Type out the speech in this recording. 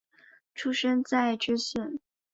出身自爱知县。